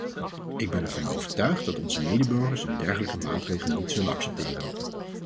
Ik ben ervan overtuigd dat onze medeburgers een dergelijke maatregel niet zullen accepteren.